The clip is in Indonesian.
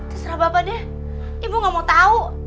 terserah bapak deh ibu gak mau tahu